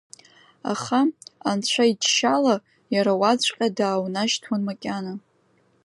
Аха, анцәа иџьшьала, иара уаҵәҟьа дааунашьҭуан макьана.